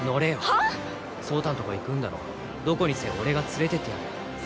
はぁ⁉草太のとこ行くんだろどこにせよ俺が連れてってやる。